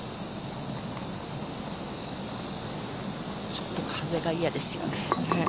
ちょっと風が嫌ですよね。